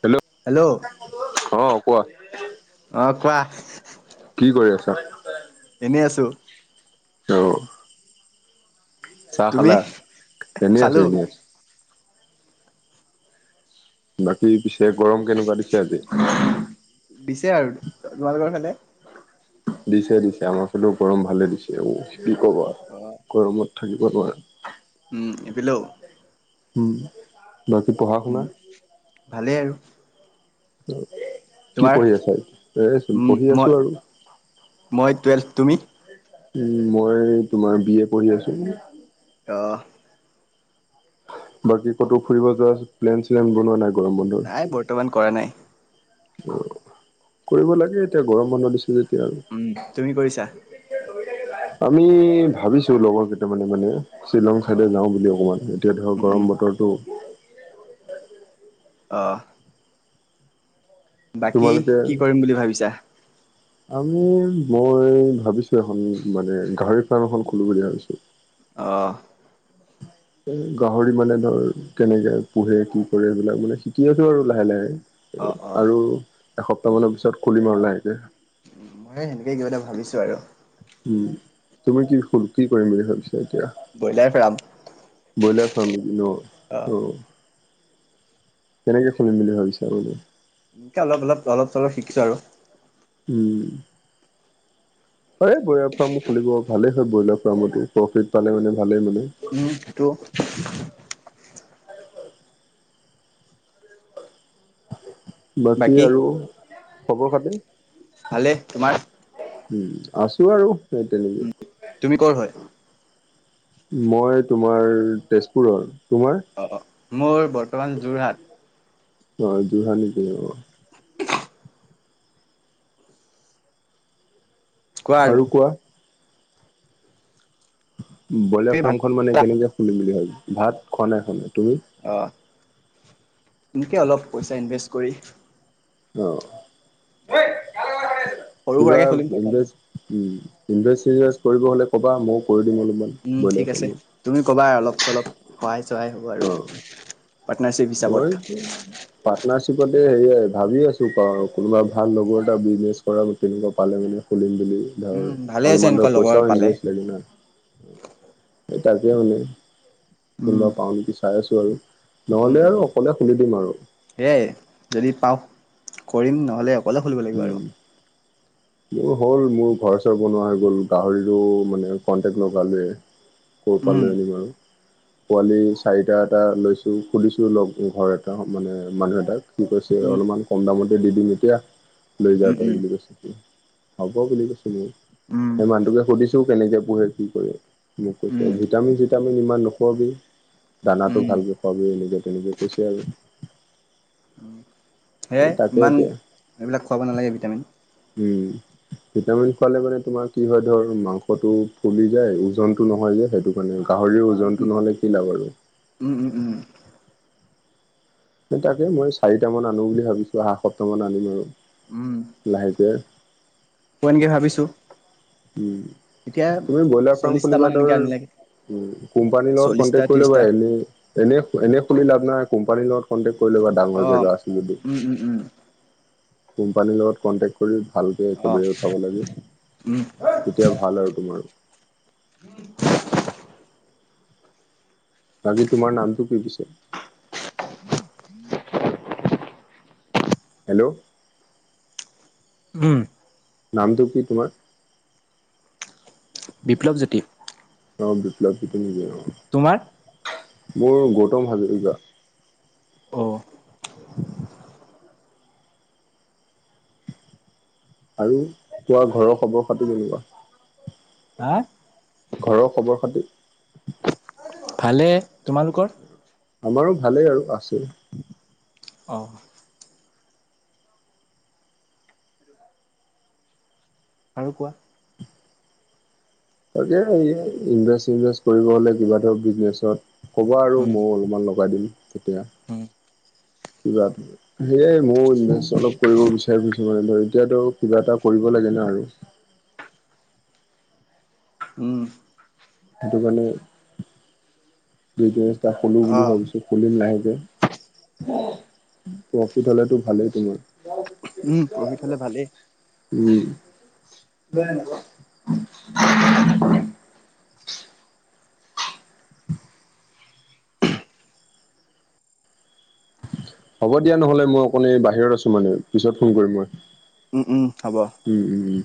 Hello? অ' কোৱা। অ' কোৱা। কি কৰি আছা? এনেই আছোঁ। অ'। চাহ তুমি খালা? এনেই আছোঁ খালো - এনেই আছোঁ। বাকী পিছে গৰম কেনেকুৱা দিছে আজি? দিছে আৰু। তোমালোকৰ ফালে? দিছে - দিছে। আমাৰ ফালেও গৰম ভালে দিছে। অ' কি ক'বা? গৰমত থাকি ব নোৱা উম, এইফিলো। উম, বাকী পঢ়াশুনা? ভালেই আৰু। কি তোমাৰ পঢ়ি আছা? এচোন উম পঢ়ি মই আছোঁ আৰু। মই টুৱেলভ। তুমি? উম, মই তোমাৰ বি এ পঢ়ি আছোঁ। অ'। বাকী ক'তো ফুৰিব যোৱা প্লেন-শ্লেন বনোৱা নাই? গৰম নাই, বৰ্তমান কৰা নাই। অ' কৰিব লাগে এতিয়া, গৰম বন্ধ দিছে যেতি- উম, তুমি কৰিছা? আমি ভাবিছোঁ লগৰকেইটামানে মানে শ্বিলং অ ছাইডে যাওঁ বুলি অকমান। এতিয়া ধৰ উম উম গৰম বতৰটো অ'। বাকী, তোমালোকে কি কৰিম বুলি ভাবিছা? আমি মই ভাবিছোঁ এখন মানে গাহৰি ফাৰ্ম এখন খুলোঁ বুলি ভাবিছোঁ। অ'। এই গাহৰি মানে ধৰ কেনেকে পোহে, কি কৰে সেইবিলাক মানে শিকি আছোঁ আৰু, লাহে - লাহে। অ'-অ'। এসপ্তাহমানৰ পিছত খুলিম আৰু লাহেকে। মই সেনেকে কিবা এটা ভাবিছোঁ আৰু। উম, তুমি কি খুল- কি কৰিম বুলি ভাবি এতিয়া? ব্ৰইলাৰ ফাৰ্ম বইলাৰ ফাৰ্ম নেকি ন'? অ অ'। কেনেকে খুলিম বুলি ভাবিছা মানে? এনকে অলপ - অলপ, অলপ - চলপ শিকিছোঁ আৰু। উম, সেই বইলাৰ ফাৰ্মো খুলিব ভালে আছে ব্ৰইলাৰ ফাৰ্মতো। প্ৰফিট পালে মানে ভালে মানে। উম, সিটোও বাকী আৰু খবৰ-খাতি? ভালে তোমাৰ উম। আছোঁ আৰু। সেই তেনেকে। উম, তুমি ক'ৰ হয়? মই তোমাৰ তেজপুৰৰ। তোমাৰ অ'- অ' মোৰ বৰ্তমান যোৰহাট। নহয় যোৰহাট নেকি অ'? আৰু কোৱা? ব্ৰইলাৰ তুমি ভাত ফ্ৰামখন মানে খালা? কেনেকে খুলিম বুলি [unintelligible] ভাত খোৱা নাই -খোৱা নাই তুমি? অ এনেকে অলপ পইচা ইনভেষ্ট কৰি অহ [unintelligible] সৰু কিবা সুৰাকে খুলিম প্ৰথম ইনভেষ্ট, উম। ইনভেষ্ট, চিনভেষ্ট কৰিব হলে কবা ময়ো কৰি দিম অলপ উম, ঠিক আছে। তুমি কবা অলপ -চলপ সহায় -চহাই হ'ব আৰু পাৰ্টনাৰচিপ [unintelligible] ৰ্নাৰশ্বিপতে হেয়াই ভাবি আছোঁ পা- কোনোবা ভাল লগৰ এটা বিজনেছ কৰা তেনেকুৱা পালে মানে খুলিম বুলি। উম ধৰ ভালে আছে অলপমান এনেকুৱা ধৰ লগৰ পইচাও পালে ইনভেষ্ট লাগে না। সেই তাকে মানে, উম কোনোবা পাওঁ নেকি চাই আছোঁ আৰু। উম নহ'লে আৰু উম অকলে খুলি দিম আৰু। সেয়াই যদি পাও কৰিম নহ'লে অকলে খুলিব লাগিব আৰু। উম মোৰ হ'ল মোৰ ঘৰ চৰ বনোৱা হৈ গ'ল গাহৰিৰো মানে কন্টেক লগালে [unintelligible] উম পালে আনিম আৰু। পোৱালি চাৰিটা এটা লৈছো খুলিছো লগ ঘৰ এটা মানে মানুহ এটাক সি কৈছে উম অলপমান কম দামতে দি দিম এতিয়া লৈ যা উম তই উম বুলি কৈছে কি হব বুলি কৈছো ময়ো, উম ‌সেই মানুহটোকে সুধিছো কেনেকে পুহে কি কৰে। মোক কৈছে উম ভিটামিন -চিটামিন ইমান নোখোৱাবি দানাটো উম ভালকে খুৱাবি এনেকে তেনেকে কৈছে আৰু এ সেয়াই তাকে ইমান এতিয়া এইবিলাক খুৱাব নালাগে ভিটামিন। উম ভিটামিন খুৱালে মানে তোমাৰ কি হয় ধৰ মাংসটো ফুলি যায় ওজনটো নহয় যে সেইটো কাৰণে গাহৰিৰ উম ওজনটো নহ'লে কি লাভ আৰু। উম উম উম তাকে মই চাৰিটা মান আনো বুলি ভাবিছো আহা সপ্তাহ মান আনিম আৰু। উম লাহেকে ইয়ে ভাবিছোঁ। উম, এতিয়া তুমি ব্ৰইলাৰ ফ্ৰাম চল্লিশটা খুলিবা মান ধৰ এনেকে আনিলে উম, কোম্পানীৰ লগত চল্লিশটা কনটেক কৰি লবা ত্ৰিশটা এনে - এনে - এনে খুলি লাভ নাই কোম্পানীৰ লগত কন্টেক কৰি লবা ডাঙৰ অ জেগা আছে যদি উম উম উম [inaudible] কোম্পানীৰ লগত কণ্টেক্ট কৰি ভালকে অ একেবাৰে উঠাব লাগে উম তেতিয়া ভাল আৰু তোমাৰ। [inaudible] আজি তোমাৰ নামটো কি পিছে? [inaudible] হেল্ল', উম নামটো কি তোমাৰ? বিপ্লৱ জ্যোতি। অ', বিপ্লবজ্যোতি নেকি অ', মোৰ গৌতম হাজৰিকা। অহ আৰু তোমাৰ ঘৰৰ খবৰ -খাতি কেনেকুৱা? হা ঘৰৰ খবৰ -খাতি? ভালে তোমালোকৰ? আমাৰো ভালেই আৰু আছ অহ আৰু কোৱা? তাকেইয়ে ইনভেষ্ট-চিনভেষ্ট কৰিব হলে কিবা এটা বিজনেচত হ'ব আৰু উম ময়ো অলপমান লগাই দিম তেতিয়া। উম কিবা সেয়াই ময়ো ইনভেষ্ট অলপ কৰিব বিচাৰি ফুৰিছো। মানে ধৰ এতিয়াতো কিবা এটা কৰিব লাগে না আৰু। উম সেইটো কাৰণে যি ব্যৱস্থা খোলো অ বুলি ভাবিছো খুলিম লাহে কে প্ৰফিট হলেটো ভালেই তোমাৰ। উম প্ৰফিট হলে ভালেই। উম। হ'ব দিয়া নহলে মই অকন এই বাহিৰত আছো মানে, পিছত ফোন কৰিম মই। উম উম হ'ব। উম উম উম।